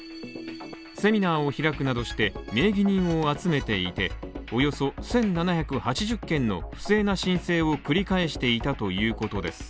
セミナーを開くなどして名義人を集めていて、およそ１７８０件の不正な申請を繰り返していたということです。